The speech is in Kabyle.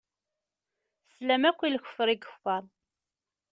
Teslam akk i lekfeṛ i yekfeṛ.